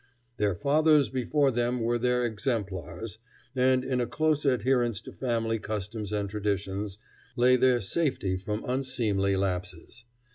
Their fathers before them were their exemplars, and in a close adherence to family customs and traditions lay their safety from unseemly lapses.